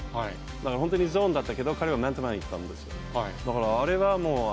だから本当にゾーンだったけど、彼はマンツーマンでいったんですよ。